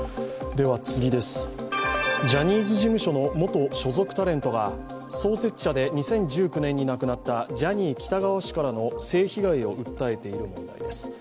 ジャニーズ事務所の元所属タレントが創設者で２０１９年に亡くなったジャニー喜多川氏からの性被害を訴えている問題です。